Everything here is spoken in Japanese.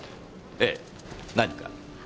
ええ何か？